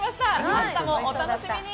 明日もお楽しみに！